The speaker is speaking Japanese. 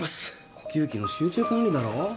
呼吸器の集中管理だろ？